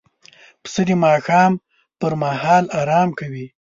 پسه د ماښام پر مهال آرام کوي.